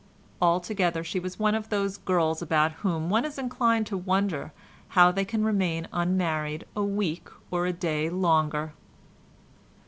Altogether she was one of those girls about whom one is inclined to wonder how they can remain unmarried a week or a day longer.